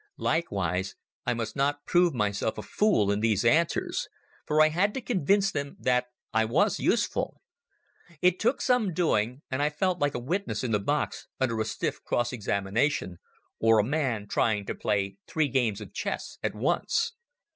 Likewise, I must not prove myself a fool in these answers, for I had to convince them that I was useful. It took some doing, and I felt like a witness in the box under a stiff cross examination, or a man trying to play three games of chess at once.